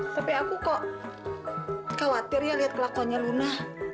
tapi aku kok khawatir ya lihat kelakonnya luna